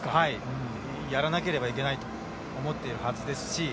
やらなければいけないと思っているはずですし。